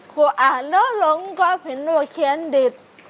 กลัวอ่านแล้วหลงก็เห็นว่าเขียนดิบ